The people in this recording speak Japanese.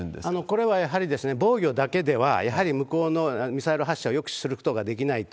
これはやはり、防御だけでは、やはり向こうのミサイル発射を抑止することができないと。